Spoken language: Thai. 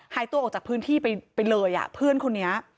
หายตัวออกจากพื้นที่ไปเลยเพื่อนคนนี้